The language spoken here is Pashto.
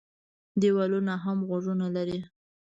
ـ دیوالونه هم غوږونه لري.